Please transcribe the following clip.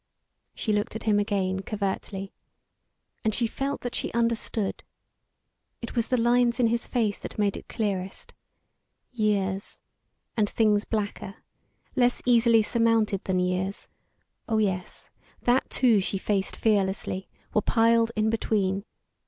She looked at him again, covertly. And she felt that she understood. It was the lines in his face made it clearest. Years, and things blacker, less easily surmounted than years oh yes, that too she faced fearlessly were piled in between.